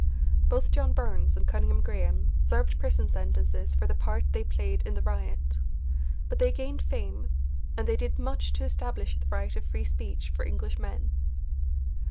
Both John Burns and Cunningham Graham served prison sentences for the part they played in the riot, but they gained fame, and they did much to establish the right of free speech for English men.